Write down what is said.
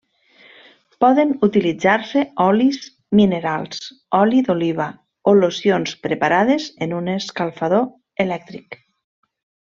Poden utilitzar-se olis minerals, oli d'oliva o locions preparades en un escalfador elèctric.